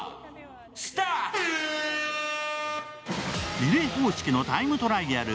リレー方式のタイムトライアル。